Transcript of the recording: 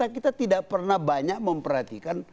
kita tidak pernah banyak memperhatikan